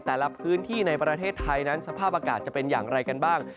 แต่ละพื้นที่ในประเทศไทยนั้นสภาพอากาศจะเป็นอย่างไรกันบ้าง